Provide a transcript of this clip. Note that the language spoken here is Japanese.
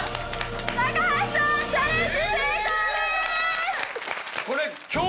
「高橋さんチャレンジ成功です！」